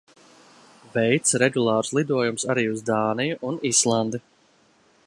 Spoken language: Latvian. Veic regulārus lidojumus arī uz Dāniju un Islandi.